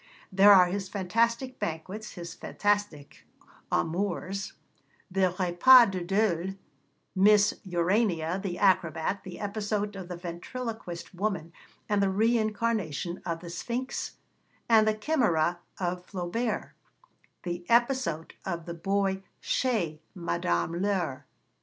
There are his fantastic banquets, his fantastic amours: the repas de deuil, Miss Urania the acrobat, the episode of the ventriloquist woman and the reincarnation of the Sphinx and the Chimæra of Flaubert, the episode of the boy chez Madame Laure.